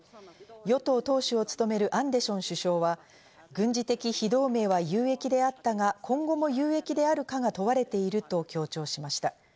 与党党首を務めるアンデション首相は軍事的非同盟は有益であったが、今後も有益であるかが問われていると強調しました。